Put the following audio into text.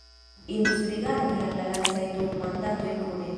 Indus rigardi al la lastaj du mandatoj kune.